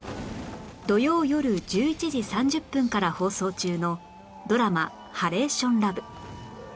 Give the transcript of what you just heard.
土曜よる１１時３０分から放送中のドラマ『ハレーションラブ』